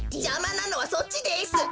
じゃまなのはそっちです！